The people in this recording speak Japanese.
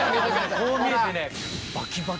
こう見えてね